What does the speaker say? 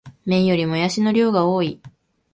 麺よりもやしの量が多い